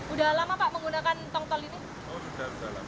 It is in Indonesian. udah lama pak menggunakan tongtol ini